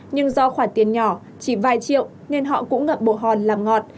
nhưng do khoản tiền nhỏ chỉ vài triệu nên họ cũng ngập bộ hòn làm ngọt